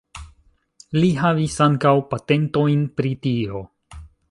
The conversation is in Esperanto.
Li havis ankaŭ patentojn pri tio.